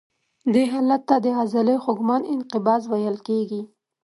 دې حالت ته د عضلې خوږمن انقباض ویل کېږي.